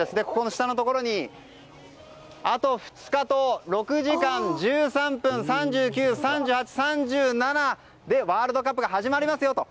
下のところにあと２日と６時間１３分３９、３７でワールドカップが始まりますよと。